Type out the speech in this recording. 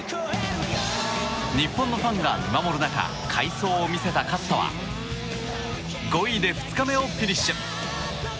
日本のファンが見守る中快走を見せた勝田は、５位で２日目をフィニッシュ。